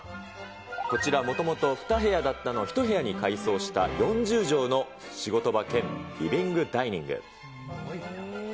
こちら、もともと２部屋だったのを１部屋に改装した４０畳の仕事場兼リビングダイニング。